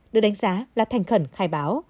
được đánh giá là thành khẩn khai báo